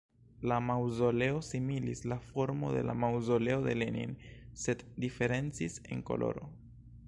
La maŭzoleo similis la formo de la Maŭzoleo de Lenin sed diferencis en koloro.